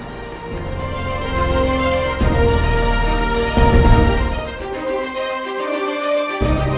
aku tunggu kabar kamu